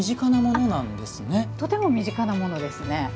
とても身近なものです。